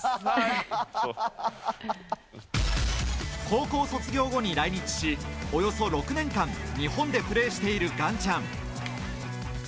高校卒業後に来日しおよそ６年間、日本でプレーしているガンちゃん。